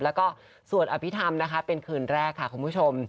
แล้วก็สวดอภิษฐรรมนะคะเป็นคืนแรกค่ะคุณผู้ชม